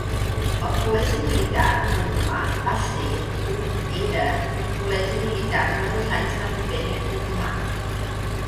El col·legi militar otomà va ser un era un col·legi militar de dos anys de l'Imperi otomà.